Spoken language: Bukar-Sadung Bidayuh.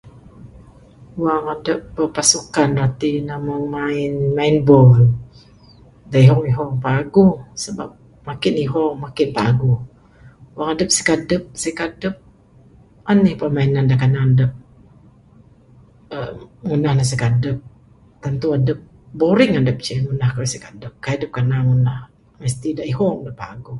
Wang adup berpasukan rati ne, mung main, main ball, da ihong ihong paguh sebab makin ihong makin paguh. Wang adup sikadup sikadup, anih permainan da kanan adup, err ngundah ne sikadup. Tentu adup boring adup ceh ngundah kayuh sikadup. Kai dup kanan ngundah. Mesti da ihong da paguh.